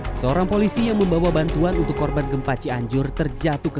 hai seorang polisi yang membawa bantuan untuk korban gempa cianjur terjatuh ke